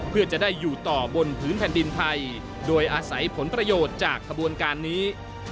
เพื่อจะได้อยู่ต่อบนพื้นแผ่นดินไทยโดยอาศัยผลประโยชน์จากขบวนการนี้